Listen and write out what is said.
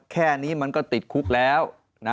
แค่นี้มันก็ติดคุกแล้ว